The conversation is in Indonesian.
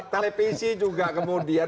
televisi juga kemudian